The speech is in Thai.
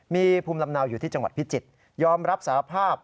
มีภูมิลำเนาอยู่ที่จังหวัดพิจิตรยอมรับสารภาพ